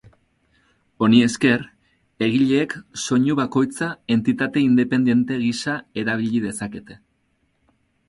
Honi esker, egileek soinu bakoitza entitate independente gisa erabili dezakete.